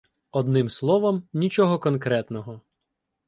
Одним словом нічого конкретного.